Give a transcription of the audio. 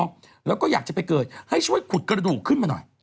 แล้วก็อยากจะไปเกิดให้ช่วยขุดกระดูกขึ้นมาหน่อย